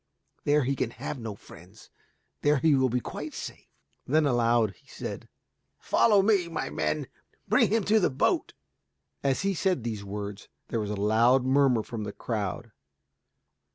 There he can have no friends. There he will be quite safe." Then aloud he said, "Follow me, my men. Bring him to the boat." As he said these words, there was a loud murmur from the crowd.